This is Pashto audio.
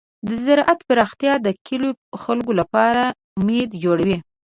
د زراعت پراختیا د کلیو د خلکو لپاره امید جوړوي.